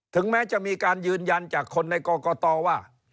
ถึงแม้จะมีการยืนยันจากคนในกรกตว่า